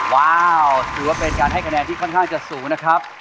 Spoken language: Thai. ว้าวถือว่าเป็นการให้คะแนนที่ค่อนข้างจะสูงนะครับ